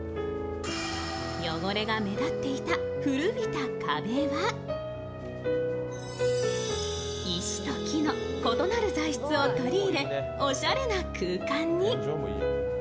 汚れが目立っていた古びた壁は石と木の異なる材質を取り入れおしゃれな空間に。